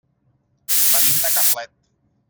Venim de Carlet.